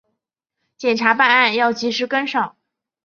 检察办案要及时跟上